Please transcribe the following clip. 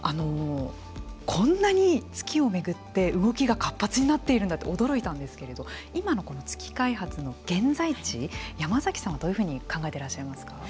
こんなに月を巡って動きが活発になっているんだって驚いたんですけど今の月開発の現在地山崎さんはどういうふうに考えていらっしゃいますか。